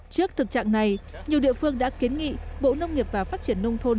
trước thực trạng này nhiều địa phương đã kiến nghị bộ nông nghiệp và phát triển nông thôn